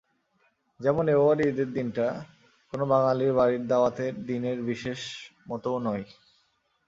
যেমন এবারের ঈদের দিনটা কোনো বাঙালির বাড়ির দাওয়াতের দিনের বিশেষ মতোও নয়।